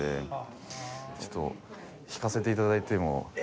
ちょっと弾かせて頂いても。